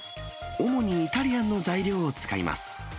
主にイタリアンの材料を使います。